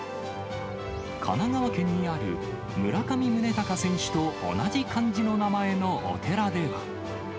神奈川県にある、村上宗隆選手と同じ漢字の名前のお寺では。